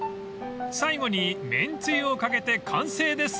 ［最後に麺つゆを掛けて完成です］